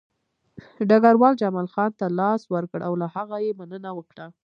ډګروال جمال خان ته لاس ورکړ او له هغه یې مننه وکړه